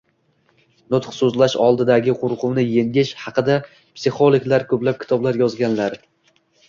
Nutq so‘zlash oldidagi qo‘rquvni yengish haqida psixologlar ko‘plab kitoblar yozganlar